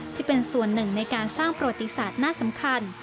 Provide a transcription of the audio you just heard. ที่เป็นส่วนหนึ่งในการสร้างประวัติศาสตร์หน้าสำคัญ